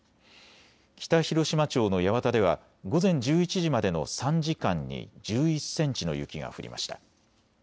北広島町の八幡では午前１１時までの３時間に１１センチの雪が降りました。